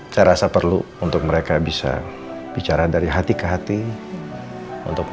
kayaknya pada philosophy